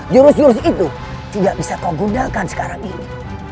jurus jurus itu tidak bisa kau gunakan sekarang ini